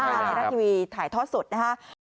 ในไทยรัฐทีวีถ่ายเทาะสดนะครับ